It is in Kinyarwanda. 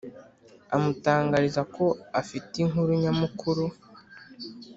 amutangariza ko afite inkuru nyamukuru